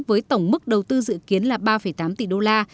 với tổng mức đầu tư dự kiến là ba tám tỷ đô la